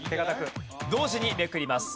同時にめくります。